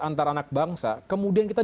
antara anak bangsa kemudian kita